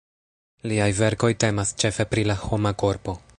Liaj verkoj temas ĉefe pri la homa korpo.